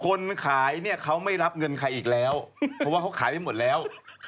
คนขายเนี่ยเขาไม่รับเงินใครอีกแล้วเพราะว่าเขาขายไปหมดแล้ว